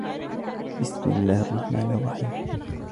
بِسْمِ اللَّـهِ الرَّحْمَـٰنِ الرَّحِيمِ